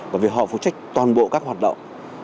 bởi vì họ phụ trách toàn bộ các hoạt động